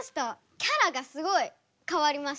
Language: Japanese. キャラがすごい変わりました。